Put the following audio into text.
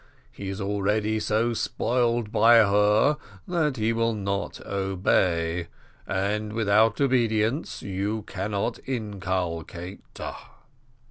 He is already so spoiled by her, that he will not obey; and without obedience you cannot inculcate."